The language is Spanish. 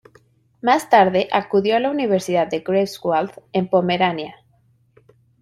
Más tarde acudió a la Universidad de Greifswald en Pomerania.